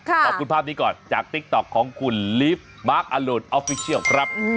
ขอบคุณภาพนี้ก่อนจากติ๊กต๊อกของคุณลีฟมาร์คอลูนออฟฟิเชียลครับ